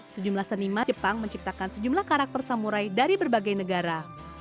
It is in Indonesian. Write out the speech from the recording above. sejumlah seniman jepang menciptakan sejumlah karakter samurai dari berbagai negara